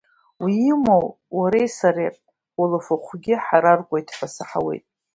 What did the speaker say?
Уимоу уареи сареи ҳуалафахәгьы ҳараркуеит ҳәа саҳауеит.